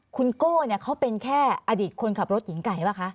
คุณโก้เขาเป็นแค่อดีตคนขับรถหญิงไก่ป่ะคะ